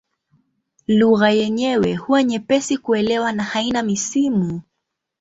Lugha yenyewe huwa nyepesi kuelewa na haina misimu.